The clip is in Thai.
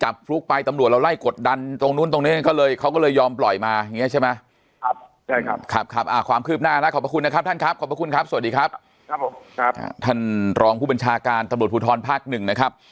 จับฟลุกไปตำรวจเราไล่กดดันตรงนู้นตรงนี้ก็เลยเขาก็เลยยอมปล่อยมาอย่างเงี้ยใช่ไหมครับครับครับครับอ่าความคืบหน้าแล้วขอบพระคุณนะครับท่านครับขอบพระคุณครับสวัสดีครับครับผมครับท่านรองผู้บัญชาการตำรวจภูทรภาคหนึ่งนะครับ